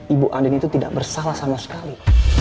ibu andin itu tidak bersalah sama sekali